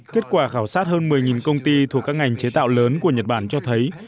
kết quả khảo sát hơn một mươi công ty thuộc các ngành chế tạo lớn của nhật bản cho thấy